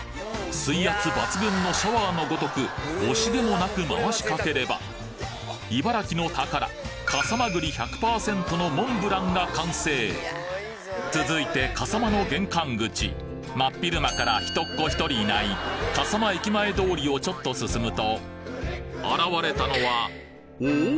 水圧抜群のシャワーのごとく惜しげもなく回しかければ茨城の宝笠間栗１００％のモンブランが完成続いて笠間の玄関口真っ昼間から人っ子ひとりいない笠間駅前通りをちょっと進むと現れたのはおお！